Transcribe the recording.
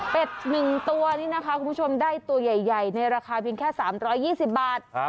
๑ตัวนี่นะคะคุณผู้ชมได้ตัวใหญ่ในราคาเพียงแค่๓๒๐บาท